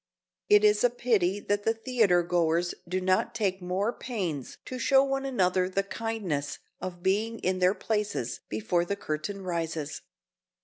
It is a pity that theater goers do not take more pains to show one another the kindness of being in their places before the curtain rises.